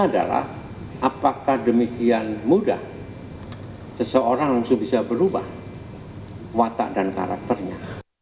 adalah apakah demikian mudah seseorang langsung bisa berubah watak dan karakternya